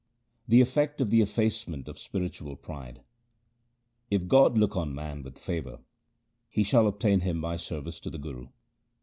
The effect of the effacement of spiritual pride :— If God look on man with favour, he shall obtain Him by service to the Guru.